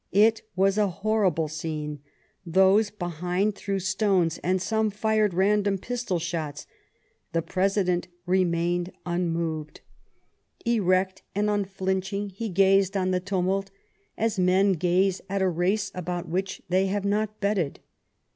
It was a horrible scene. Those behind threw stones, and some fired random pistol shots. The President remained unmoved. Erect and unflinching he gazed on the tumult as men gaze at a race about which they have not betted.